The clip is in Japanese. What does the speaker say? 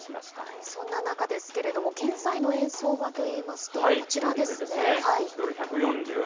そんな中ですけれども、現在の円相場といいますと、こちらですね。